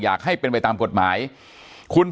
อย่างที่บอกไปว่าเรายังยึดในเรื่องของข้อ